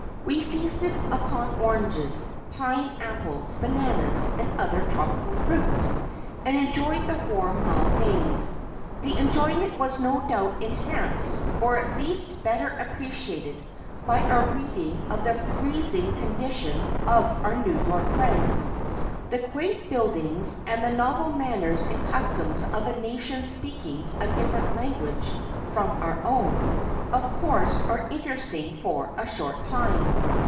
We feasted upon oranges, pine apples, bananas, and other tropical fruits, and enjoyed the warm, mild days. The enjoyment was no doubt enhanced or at least better appreciated, by our reading of the freezing condition of our New York friends. The quaint buildings, and the novel manners and customs of a nation speaking a different language from our own, of course are interesting for a short time.